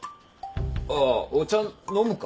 ああお茶飲むか？